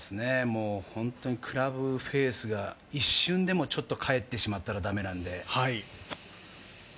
本当にクラブフェースが一瞬でも返ってしまったらダメなんで。